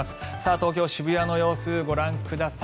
東京・渋谷の様子ご覧ください。